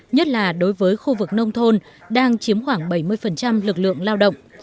nhất là đối với khu vực nông thôn đang chiếm khoảng bảy mươi lực lượng lao động